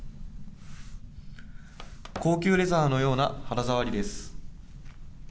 高級レザーのような肌触りです。